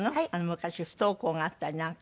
昔不登校があったりなんか。